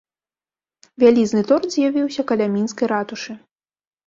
Вялізны торт з'явіўся каля мінскай ратушы.